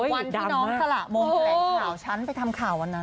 วันที่น้องสละมงแถลงข่าวฉันไปทำข่าววันนั้น